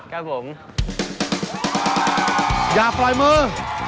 อย่าปล่อยมือ